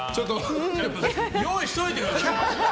用意しておいてくださいよ。